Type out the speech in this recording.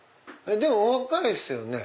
でも若いですよね？